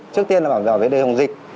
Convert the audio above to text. trước tiên là đảm bảo về vấn đề phòng dịch